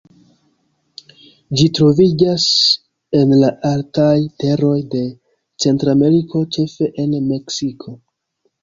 Ĝi troviĝas en la altaj teroj de Centrameriko, ĉefe en Meksiko.